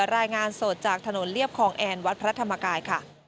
รายงานสดจากถนนเรียบคลองแอนวัดพระธรรมกายค่ะ